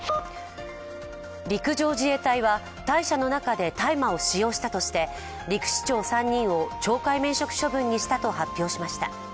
陸上自衛隊は隊舎の中で大麻を使用したとして、陸士長３人を懲戒免職処分にしたと発表しました。